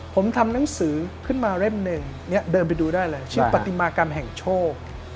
ผมทำหนังสือขึ้นมาเล่มหนึ่งเนี่ยเดินไปดูได้เลยชื่อปฏิมากรรมแห่งโชค